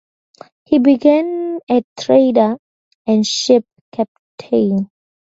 He became a trader and ship captain.